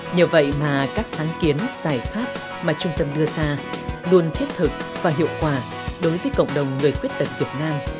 nhờ vậy mà các sáng kiến giải pháp mà trung tâm đưa ra luôn thiết thực và hiệu quả đối với cộng đồng người khuyết tật việt nam